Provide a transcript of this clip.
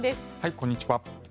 こんにちは。